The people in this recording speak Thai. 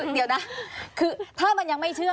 เดี๋ยวนะคือถ้ามันยังไม่เชื่อ